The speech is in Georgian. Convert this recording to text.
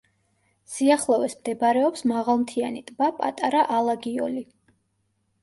სიახლოვეს მდებარეობს მაღალმთიანი ტბა პატარა ალაგიოლი.